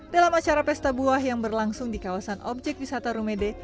dalam acara pesta buah yang berlangsung di kawasan objek wisata rumede